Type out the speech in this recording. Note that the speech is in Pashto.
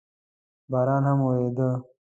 باران هم اورېده.